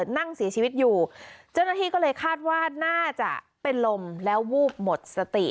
นั่งเสียชีวิตอยู่เจ้าหน้าที่ก็เลยคาดว่าน่าจะเป็นลมแล้ววูบหมดสติ